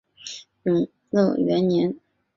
永乐元年。